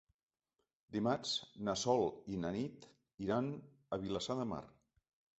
Dimarts na Sol i na Nit iran a Vilassar de Mar.